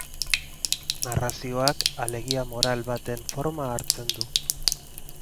Narrazioak alegia moral baten forma hartzen du.